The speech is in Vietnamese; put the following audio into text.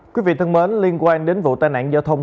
quý vị thân mến liên quan đến vụ tai nạn giao thông